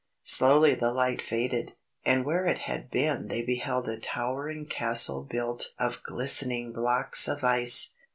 Slowly the light faded, and where it had been they beheld a towering Castle built of glistening blocks of ice.